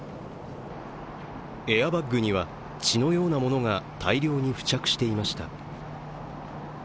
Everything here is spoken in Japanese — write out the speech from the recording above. エアバッグには血のようなものが大量に付着していました。